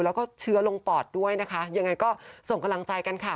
แล้วก็เชื้อลงปอดด้วยนะคะยังไงก็ส่งกำลังใจกันค่ะ